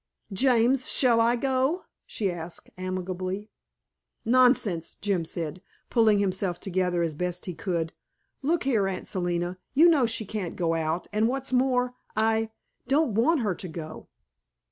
"James, shall I go?" she asked amiably. "Nonsense," Jim said, pulling himself together as best he could. "Look here, Aunt Selina, you know she can't go out, and what's more, I don't want her to go."